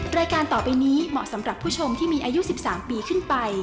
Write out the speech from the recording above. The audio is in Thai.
รายการต่อไปนี้เหมาะสำหรับผู้ชมที่มีอายุ๑๓ปีขึ้นไป